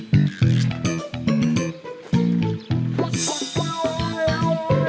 แม่สวยแล้ว